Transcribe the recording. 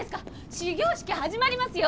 始業式始まりますよ